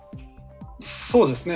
そうですね。